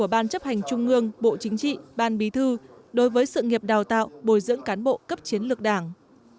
bàn bí thư đối với sự nghiệp đào tạo bồi dưỡng cán bộ cấp chiến lược đảng